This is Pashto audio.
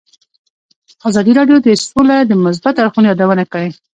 ازادي راډیو د سوله د مثبتو اړخونو یادونه کړې.